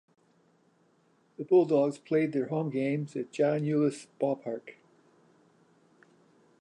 The Bulldogs played their home games at John Euless Ballpark.